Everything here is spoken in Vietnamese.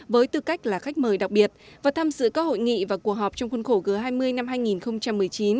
với tư cách là khách mời đặc biệt và tham dự các hội nghị và cuộc họp trong khuôn khổ g hai mươi năm hai nghìn một mươi chín